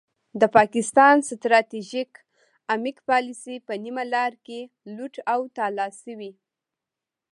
د پاکستان ستراتیژیک عمق پالیسي په نیمه لار کې لوټ او تالا شوې.